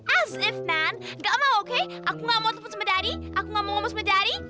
as if nan gak mau oke aku gak mau telepon sama daddy aku gak mau ngomong sama daddy